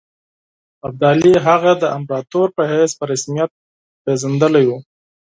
ابدالي هغه د امپراطور په حیث په رسمیت پېژندلی وو.